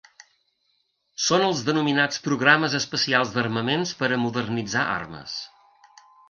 Són els denominats “Programes especials d’armaments per a modernitzar armes”.